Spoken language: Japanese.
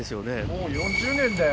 もう４０年だよ。